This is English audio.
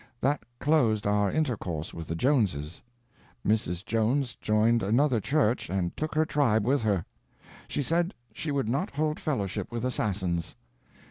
That closed our intercourse with the Joneses. Mrs. Jones joined another church and took her tribe with her. She said she would not hold fellowship with assassins.